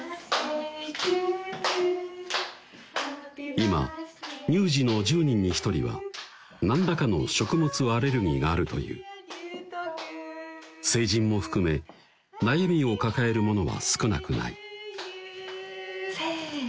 今乳児の１０人に１人は何らかの食物アレルギーがあるという成人も含め悩みを抱える者は少なくないせの！